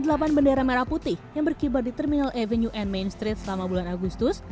delapan bendera merah putih yang berkibar di terminal avenue and main street selama bulan agustus